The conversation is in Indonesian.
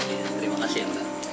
terima kasih ya mbak